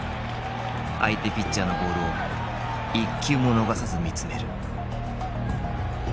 相手ピッチャーのボールを一球も逃さず見つめる。